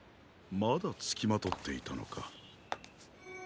まだつきまとっていたのか。